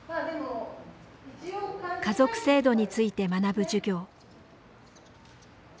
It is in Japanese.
家族制度について学ぶ授業。